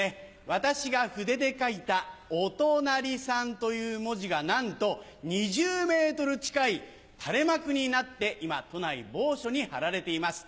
私が筆で書いた「おとなりさん」という文字がなんと２０ｍ近い垂れ幕になって今都内某所に張られています。